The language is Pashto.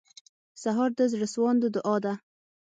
سهار د زړسواندو دعا ده.